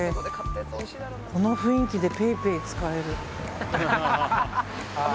この雰囲気でＰａｙＰａｙ使える。